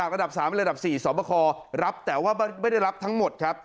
ระดับ๓ระดับ๔สอบคอรับแต่ว่าไม่ได้รับทั้งหมดครับ